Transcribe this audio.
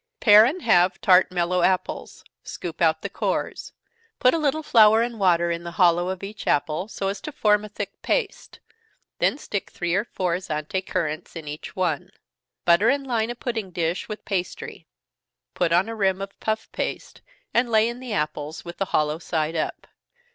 _ Pare and halve tart mellow apples, scoop out the cores. Put a little flour and water in the hollow of each apple, so as to form a thick paste then stick three or four Zante currants in each one. Butter and line a pudding dish with pastry, put on a rim of puff paste, and lay in the apples, with the hollow side up.